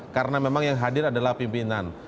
karena memang yang hadir adalah pimpinan